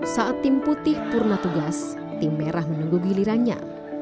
saat tim putih purna tugas tim merah menunggu gilirannya